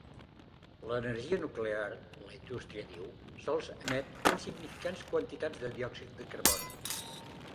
L'energia nuclear, la indústria diu, sols emet insignificants quantitats de diòxid de carboni.